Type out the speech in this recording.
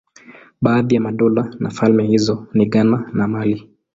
Baadhi ya madola na falme hizo ni Ghana na Mali.